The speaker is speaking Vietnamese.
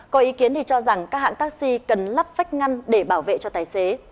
có ý kiến thì cho rằng các hãng taxi cần lắp vách ngăn để bảo vệ cho tài xế